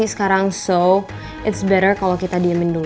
emosi sekarang so it's better kalo kita diemin dulu